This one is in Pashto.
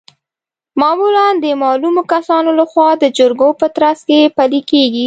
معمولا د معلومو کسانو لخوا د جرګو په ترڅ کې پلي کیږي.